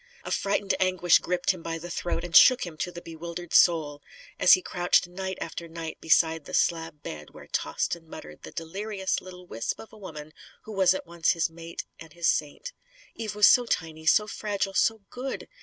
A frightened anguish gripped him by the throat and shook him to the bewildered soul; as he crouched night after night beside the slab bed where tossed and muttered the delirious little wisp of a woman who was at once his mate and his saint. Eve was so tiny, so fragile, so good!